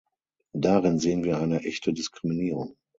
Darin sehen wir eine echte Diskriminierung.